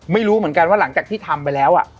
ไม่รู้เหมือนกันว่าหลังจากที่ทำไปแล้ว